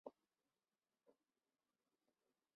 除沧州骠大府司马。